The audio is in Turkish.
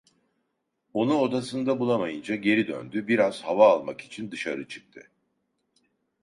Onu odasında bulamayınca geri döndü, biraz hava almak için dışarı çıktı.